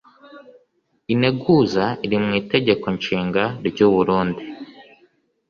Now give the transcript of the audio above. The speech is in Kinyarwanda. Integuza iri mu itegekonshiga ry’u Burundi